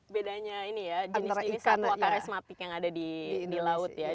bedanya ini ya jenis ini satu akar resmatik yang ada di laut ya